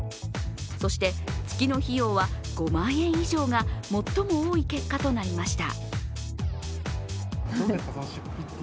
そして、月の費用は５万円以上が最も多い結果となりました。